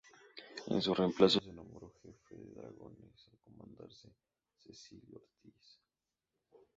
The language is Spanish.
En su reemplazo se nombró jefe de dragones al comandante Cecilio Ortiz.